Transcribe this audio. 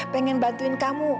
pengen bantuin kamu